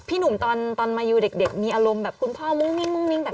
พี่หนุ่มตอนมาอยู่เด็กมีอารมณ์แบบคุณพ่อมุ่งมิ้งแบบนี้นะ